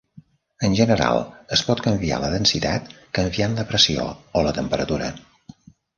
En general, es pot canviar la densitat canviant la pressió o la temperatura.